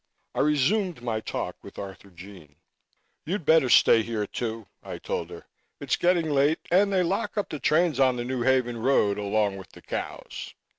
I resumed my talk with Arthurjean. "You'd better stay here, too," I told her. "It's getting late and they lock up the trains on the New Haven road along with the cows."